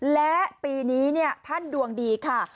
และปีนี้ท่านดวงดีค่ะ